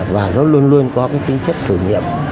và nó luôn luôn có cái tính chất thử nghiệm